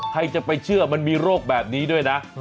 ใครจะไปเชื่อมันมีโรคแบบนี้ด้วยนะ